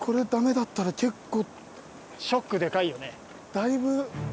だいぶ。